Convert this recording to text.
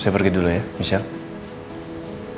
saya pergi dulu ya michelle